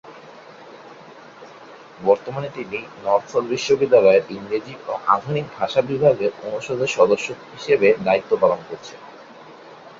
বর্তমানে তিনি North South বিশ্ববিদ্যালয়ের ইংরেজি ও আধুনিক ভাষা বিভাগের অনুষদের সদস্য হিসেবে দায়িত্ব পালন করছেন।